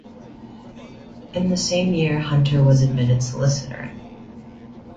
In the same year Hunter was admitted solicitor.